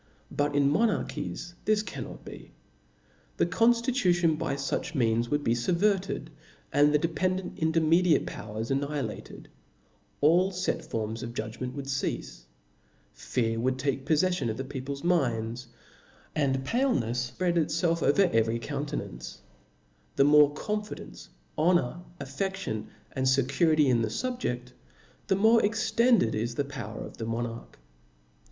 But in monarchies this cannot be ; the conftitution by fuch means would be fubverted, and the dependent intermediate powers annihilated ; all fet forms of judgment would ceafe ; fear would take poffeffion of the people's minds, and palenefs fpread itfelf over every countenance : the more confidence, honor, affe<5lion, and fecurity in the fubjeft, the more extended is the power of the monarch.